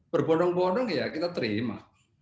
berbondong bondong ya kita terima